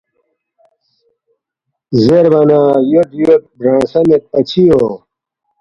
زیربا نہ ”یود یود برانگسہ میدپا چِہ یو